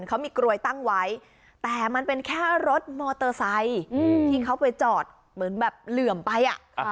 เขามีกรวยตั้งไว้แต่มันเป็นแค่รถมอเตอร์ไซค์ที่เขาไปจอดเหมือนแบบเหลื่อมไปอ่ะ